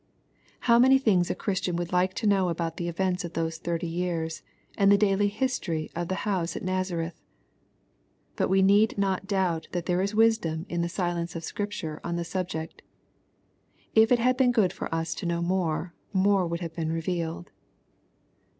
How many things a Christian would like to know about the events of those thirty years, and the daily history of the house at Nazareth ! But we need not doubt that there is wisdom in the silence of Scripture on the subject If it had been good for, us to Irnnw jnnr^j innrfi TfonH t^ X§^l566Di reyeakkd